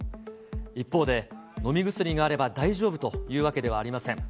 一方で、飲み薬があれば大丈夫というわけではありません。